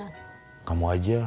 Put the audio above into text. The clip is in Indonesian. mereka masih sekalian selalu ngelor